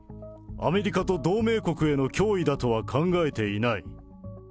アメリカと同盟国への脅威だとは考えていない。